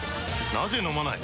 なぜ飲まない？